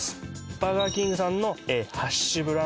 バーガーキングさんのハッシュブラウン